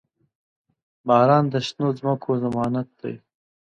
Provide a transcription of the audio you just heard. • باران د شنو ځمکو ضمانت دی.